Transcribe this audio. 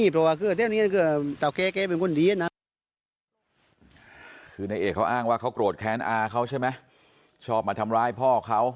เพราะว่าเขาโกรธแค้นอาเขาใช่ไหมชอบมาทำร้ายพ่อเขา